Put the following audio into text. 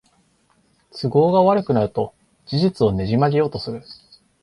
都合が悪くなると事実をねじ曲げようとする